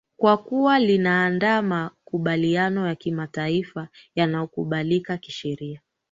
kwa kuwa linaandaa makubaliano ya kimataifa yanayokubalika kisheria